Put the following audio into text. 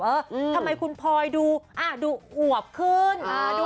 เอ้อทำไมคุณปลอยดูอวบขึ้น